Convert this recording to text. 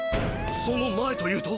その前と言うと？